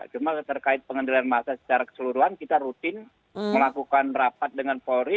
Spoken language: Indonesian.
cuma terkait pengendalian massa secara keseluruhan kita rutin melakukan rapat dengan polri